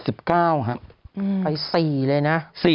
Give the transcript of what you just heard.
อีก๔เลยนะ